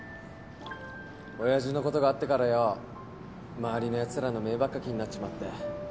親父のことがあってからよ周りのやつらの目ばっか気になっちまって。